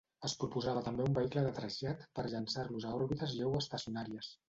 Es proposava també un vehicle de trasllat per llançar-los a òrbites geoestacionàries.